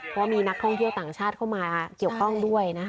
เพราะมีนักท่องเที่ยวต่างชาติเข้ามาเกี่ยวข้องด้วยนะคะ